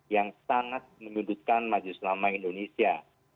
yang sangat menyudutkan majelis ulama indonesia